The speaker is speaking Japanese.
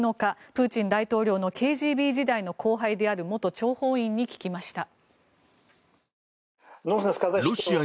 プーチン大統領のＫＧＢ時代の後輩である元諜報員に聞きました。